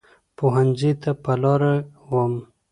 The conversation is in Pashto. پوهنځۍ ته په لاره وم.